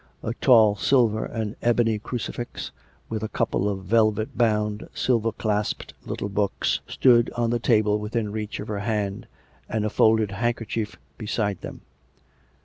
A tall silver and ebony crucifix, with a couple of velvet bound, silver clasped little books, stood on the table within reach of her hand, and a folded handkerchief beside them.